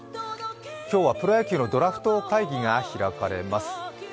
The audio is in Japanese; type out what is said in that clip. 今日はプロ野球のドラフト会議が開かれます。